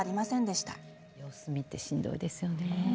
様子見ってしんどいですよね。